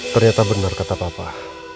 ternyata benar kata bapak